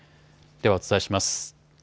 ではお伝えします。